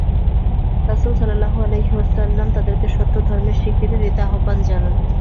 রাসূল সাল্লাল্লাহু আলাইহি ওয়াসাল্লাম তাদেরকে সত্য ধর্মের স্বীকৃতি দিতে আহবান জানান।